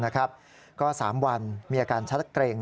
ก็๓วันมีอาการชักละเกร็ง